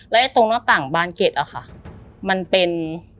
และตรงหน้าต่างบานเก็ตอะค่ะมันเป็น